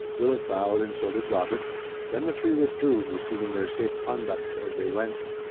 Willet bowed, and so did Robert. Then the three withdrew, receiving their safe conducts as they went.